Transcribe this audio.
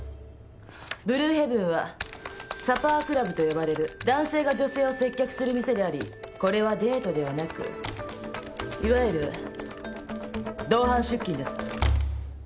「ブルーヘブン」はサパークラブと呼ばれる男性が女性を接客する店でありこれはデートではなくいわゆる同伴出勤です。